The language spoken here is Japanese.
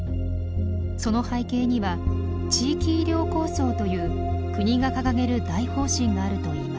その背景には地域医療構想という国が掲げる大方針があるといいます。